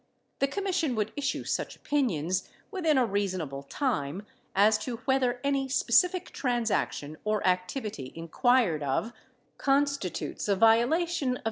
The Commission would issue sucli opinions, within a rea sonable time, as to whether any specific transaction or activity inquired of constitutes a violation of S.